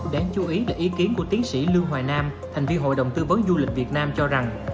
đáng chú ý là ý kiến của tiến sĩ lương hoài nam thành viên hội đồng tư vấn du lịch việt nam cho rằng